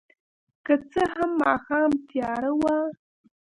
که څه هم ماښام تیاره وه.